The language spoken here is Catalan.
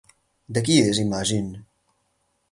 De qui és Imagine?